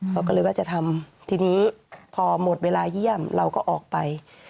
เขาก็เลยว่าจะทำทีนี้พอหมดเวลาเยี่ยมเราก็ออกไป